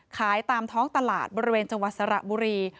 ขายตามท้องตลาดบริเวณจังหวัดสระบุรี